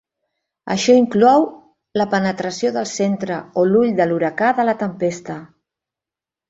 Això inclou la penetració del centre o l'ull de l'huracà de la tempesta.